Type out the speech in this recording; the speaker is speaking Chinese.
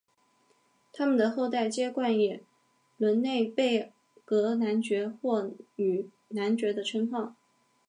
他们的后代皆冠以伦嫩贝格男爵或女男爵的称号。